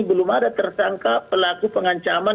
belum ada tersangka pelaku pengancaman